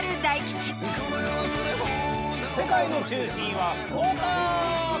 世界の中心は福岡！